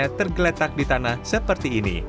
dan membuatnya tergeletak di tanah seperti ini